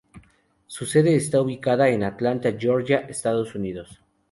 Su sede está ubicada en Atlanta, Georgia, Estados Unidos.